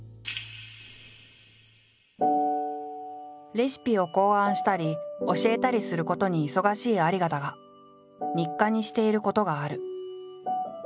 レシピを考案したり教えたりすることに忙しい有賀だが日課にしていることがある。